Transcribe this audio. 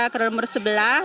ke nomor sebelah